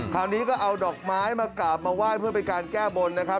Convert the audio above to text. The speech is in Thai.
คราวนี้ก็เอาดอกไม้มากราบมาไหว้เพื่อเป็นการแก้บนนะครับ